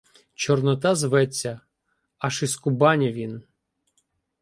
Чорнота зветься, аж із Кубані він.